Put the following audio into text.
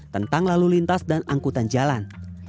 tentang lalu lintas dan angkutan jalan